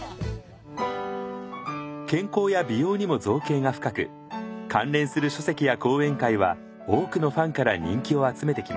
健康や美容にも造詣が深く関連する書籍や講演会は多くのファンから人気を集めてきました。